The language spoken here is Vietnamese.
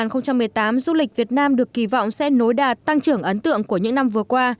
năm hai nghìn một mươi tám du lịch việt nam được kỳ vọng sẽ nối đạt tăng trưởng ấn tượng của những năm vừa qua